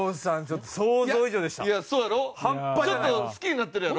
ちょっと好きになってるやろ？